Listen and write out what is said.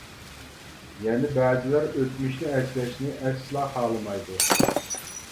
يەنە بەزىلەر ئۆتمۈشنى ئەسلەشنى ئەسلا خالىمايدۇ.